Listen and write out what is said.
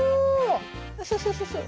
そうそうそうそう。